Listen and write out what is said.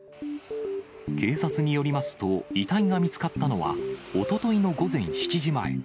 警察によりますと、遺体が見つかったのは、おとといの午前７時前。